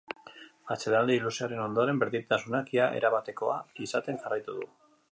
Atsedenaldi luzearen ondoren, berdintasunak ia erabatekoa izaten jarraitu du.